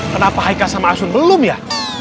kenapa haikal sama asun belum ya